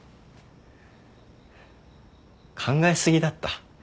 考え過ぎだった。